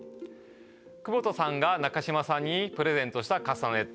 久保田さんが中島さんにプレゼントしたカスタネット。